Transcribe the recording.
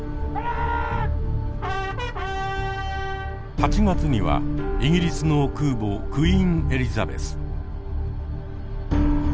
８月にはイギリスの空母クイーン・エリザベス。